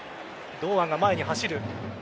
堂安が前に走る。